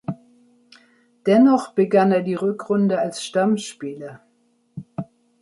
Dennoch begann er die Rückrunde als Stammspieler.